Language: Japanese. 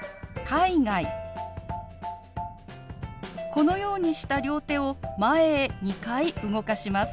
このようにした両手を前へ２回動かします。